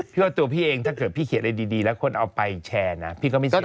พี่ว่าตัวพี่เองถ้าเกิดพี่เขียนอะไรดีแล้วคนเอาไปแชร์นะพี่ก็ไม่เชื่อ